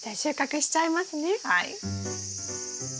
はい。